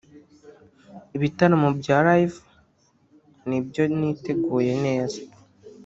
Ibitaramo bya live nibyo niteguye neza